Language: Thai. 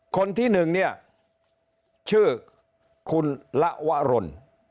คนที่หนึ่งเนี่ยชื่อคุณละวรน